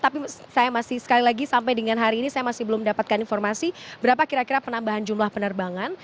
tapi saya masih sekali lagi sampai dengan hari ini saya masih belum mendapatkan informasi berapa kira kira penambahan jumlah penerbangan